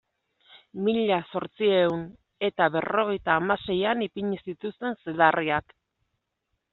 Mila zortziehun eta berrogeita hamaseian ipini zituzten zedarriak.